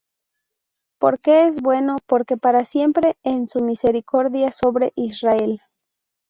Porque es bueno, porque para siempre es su misericordia sobre Israel.